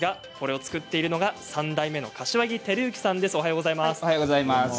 作っているのは３代目の柏木照之さんです。